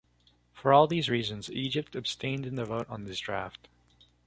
For all these reasons, Egypt abstained in the vote on this draft.